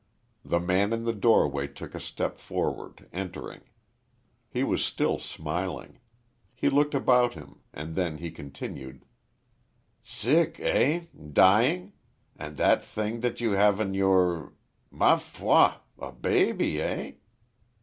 The man in the doorway took a step forward, entering. He was still smiling. He looked about him; and then he continued: "Sick, eh? ... Dying? ... And that thing that you have in your Ma foi! A baby, eh?"